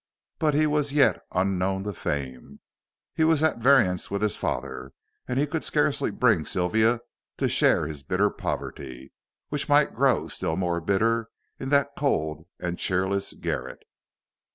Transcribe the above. But he was yet unknown to fame; he was at variance with his father, and he could scarcely bring Sylvia to share his bitter poverty which might grow still more bitter in that cold and cheerless garret.